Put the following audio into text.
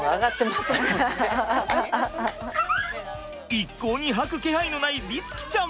一向にはく気配のない律貴ちゃん。